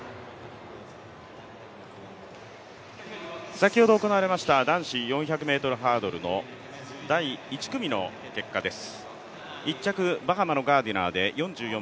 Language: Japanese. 先ほど行われました男子４００ｍハードルの第１組の結果です。